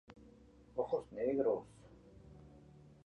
Mientras tanto, la relación entre Sarah y Aldous comienza a debilitarse.